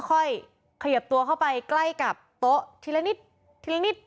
ค่อยขยับตัวเข้าไปใกล้กับโต๊ะทีละนิดทีละนิด